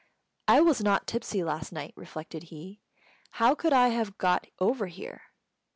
"I was not tipsy last night," reflected he; "how could I have got over here?"